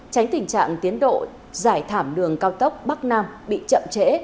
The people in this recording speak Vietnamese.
tránh tình trạng tiến độ giải thảm đường cao tốc bắc nam bị chậm trễ